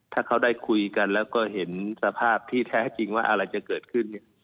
ถ้าเขาได้คุยกันแล้วก็เห็นสภาพที่แท้จริงว่าอะไรจะเกิดขึ้น